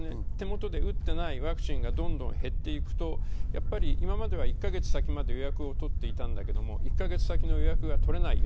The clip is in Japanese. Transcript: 手元で打ってないワクチンが減っていくと、今まで１か月先まで予約を取っていたけど、１か月先の予約は取れない。